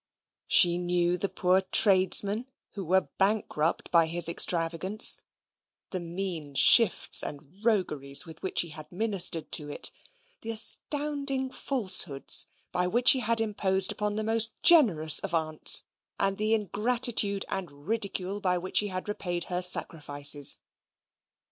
She knew the poor tradesmen who were bankrupt by his extravagance the mean shifts and rogueries with which he had ministered to it the astounding falsehoods by which he had imposed upon the most generous of aunts, and the ingratitude and ridicule by which he had repaid her sacrifices.